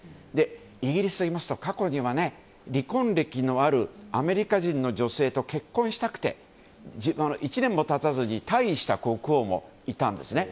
イギリスでいいますと過去には離婚歴のあるアメリカ人の女性と結婚したくて１年も経たずに退位した国王もいたんですね。